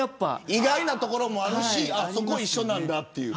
意外なところもあるしそこ一緒なんだという。